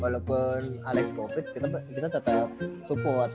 walaupun alex covid kita tetap support